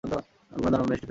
আমি কোনো দানব নই, স্টিফেন।